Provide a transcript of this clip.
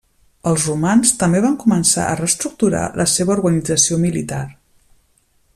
Els romans també van començar a reestructurar la seva organització militar.